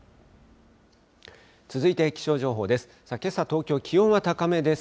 続いて気象情報です。